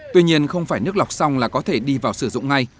tuy nhiên không phải nước lọc xong là có thể đi vào sử dụng ngay